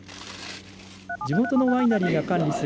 地元のワイナリーが管理する